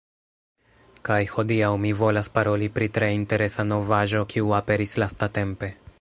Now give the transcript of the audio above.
Kaj hodiaŭ, mi volas paroli pri tre interesa novaĵo kiu aperis lastatempe